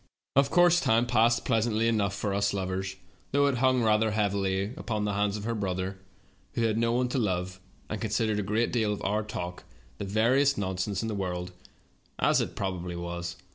"Of course time passed pleasantly enough for us lovers, though it hung rather heavily upon the hands of her brother, who had no one to love, and considered a great deal of our talk the veriest nonsense in the world, as it probably was.